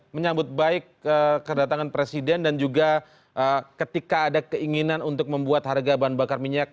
menyambut baik kedatangan presiden dan juga ketika ada keinginan untuk membuat harga bahan bakar minyak